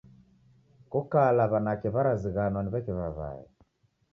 Ko kala w'anake w'arazighanwa ni w'eke w'aw'ae.